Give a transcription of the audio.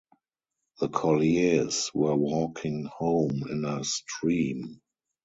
The colliers were walking home in a stream.